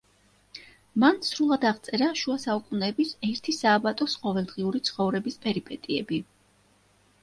მან სრულად აღწერა შუა საუკუნეების ერთი სააბატოს ყოველდღიური ცხოვრების პერიპეტიები.